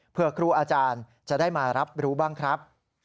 เพื่อครูอาจารย์จะได้มารับรู้บ้างครับ